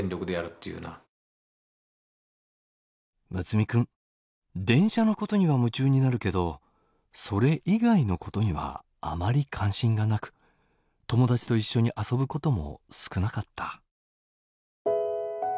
睦弥君電車のことには夢中になるけどそれ以外のことにはあまり関心がなく友達と一緒に遊ぶことも少なかった。